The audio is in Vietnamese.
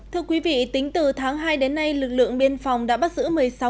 thưa quý vị tính từ tháng hai đến nay lực lượng biên phòng đã bắt giữ